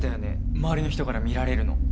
周りの人から見られるの。